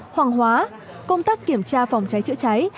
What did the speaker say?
hoàng hóa công tác kiểm tra phòng cháy chữa cháy